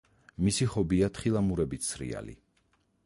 მისი ჰობია თხილამურებით სრიალი.